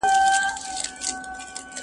زه اوږده وخت زده کړه کوم!؟